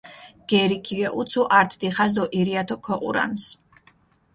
გერი ქიგეჸუცუ ართ დიხას დო ირიათო ქოჸურანს.